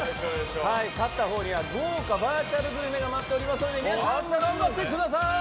勝った方には豪華バーチャルグルメが待っておりますので皆さん頑張ってください！